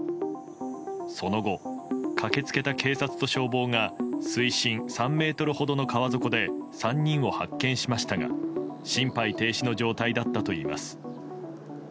その後駆け付けた警察と消防が水深３ｍほどの川底で３人を発見しましたが心肺停止の状態だったといいます。